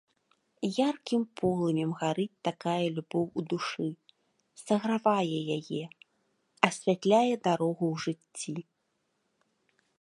Яркім полымем гарыць такая любоў у душы, сагравае яе, асвятляе дарогу ў жыцці.